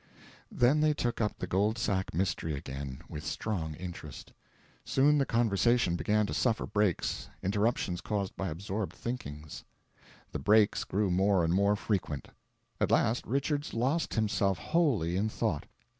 Then they took up the gold sack mystery again, with strong interest. Soon the conversation began to suffer breaks interruptions caused by absorbed thinkings. The breaks grew more and more frequent. At last Richards lost himself wholly in thought.